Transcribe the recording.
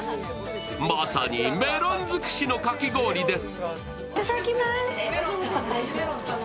まさにメロン尽くしのかき氷です。